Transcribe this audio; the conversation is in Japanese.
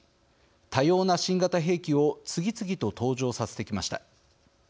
多様な新型兵器を次々と登場させてきました。